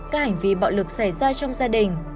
các hành vi bạo lực xảy ra trong gia đình